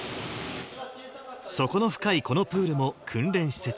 底の深いこのプールも訓練施設。